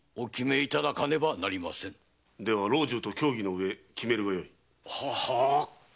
では老中と協議のうえ決めるがよい。ははっ。